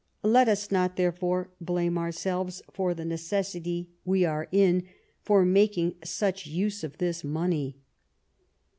Let us not, therefore, blame ourselves for the necessity we are in for making such use of this money."